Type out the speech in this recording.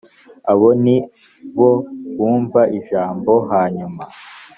abo ni bo bumva ijambo hanyuma